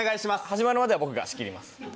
始まるまでは僕が仕切ります。